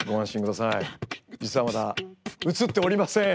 実はまだ映っておりません。